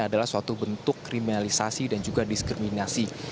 adalah suatu bentuk kriminalisasi dan juga diskriminasi